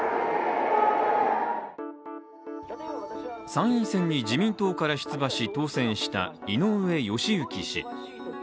参院選に自民党から出馬し、当選した井上義行氏。